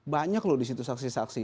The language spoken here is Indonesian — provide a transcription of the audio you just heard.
banyak loh disitu saksi saksi